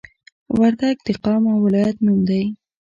وردګ د قوم او ولایت نوم دی